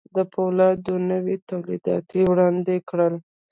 د پولادو نوي توليدات يې وړاندې کړل.